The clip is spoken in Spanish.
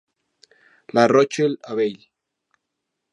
La Roche-l'Abeille